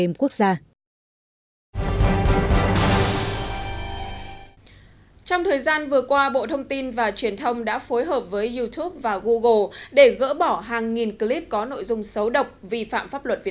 mặc dù trong thời gian vừa qua google đã ngăn chặn gỡ bỏ gần tám video clip xấu độc trên youtube